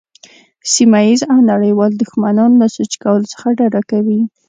سیمه ییز او نړیوال دښمنان له سوچ کولو څخه ډډه کوي.